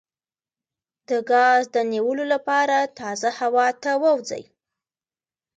د ګاز د نیولو لپاره تازه هوا ته ووځئ